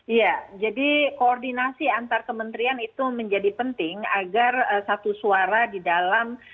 iya jadi koordinasi antar kementerian itu menjadi penting agar satu suara di dalam